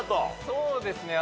そうですね。